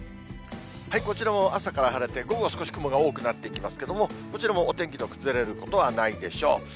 こちらも朝から晴れて、午後は少し雲が多くなってきますけれども、こちらもお天気の崩れることはないでしょう。